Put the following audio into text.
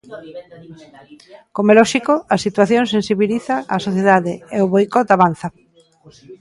Como é lóxico, a situación sensibiliza a sociedade e o boicot avanza.